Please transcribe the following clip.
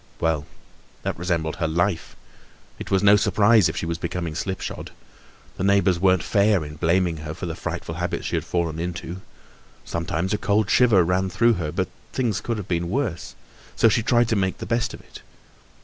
Well! That resembled her life. It was no surprise if she was becoming slipshod. The neighbors weren't fair in blaming her for the frightful habits she had fallen into. Sometimes a cold shiver ran through her, but things could have been worse, so she tried to make the best of it.